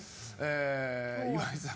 岩井さん